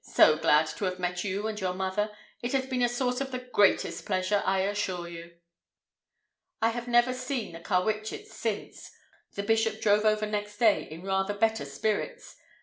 So glad to have met you and your mother. It has been a source of the greatest pleasure, I assure you." I have never seen the Carwitchets since. The bishop drove over next day in rather better spirits.